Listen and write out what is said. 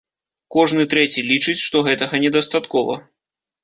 Кожны трэці лічыць, што гэтага недастаткова.